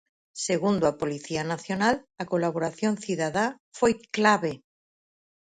Segundo a Policía Nacional, a colaboración cidadá foi clave.